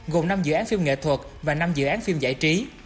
gồm năm dự án phim nghệ thuật và năm dự án phim giải trí